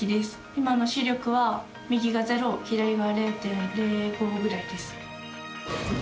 今の視力は右が０左が０．０５ぐらいです。